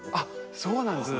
そうなんですね。